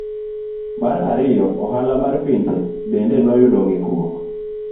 Mar ariyo, ohala mar pinje bende noyudo ng'ikruok.